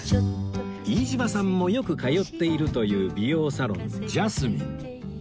飯島さんもよく通っているという美容サロン Ｊａｓｍｉｎｅ